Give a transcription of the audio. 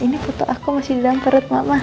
ini foto aku masih dalam perut mama